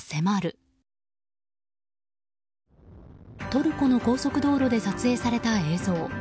トルコの高速道路で撮影された映像。